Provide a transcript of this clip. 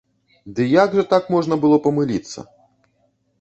Дык, як жа так можна было памыліцца?